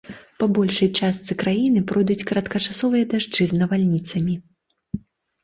Па большай частцы краіны пройдуць кароткачасовыя дажджы з навальніцамі.